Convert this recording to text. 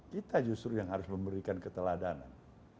kita justru yang harus memberikan keteladanan